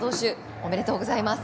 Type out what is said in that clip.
おめでとうございます。